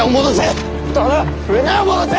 舟を戻せ！